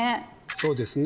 そうですね。